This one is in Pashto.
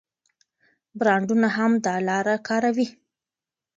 برانډونه هم دا لاره کاروي.